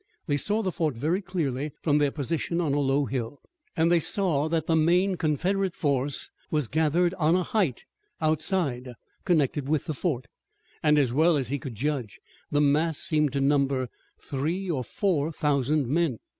They saw the fort very clearly from their position on a low hill, and they saw that the main Confederate force was gathered on a height outside, connected with the fort, and as well as he could judge, the mass seemed to number three or four thousand men.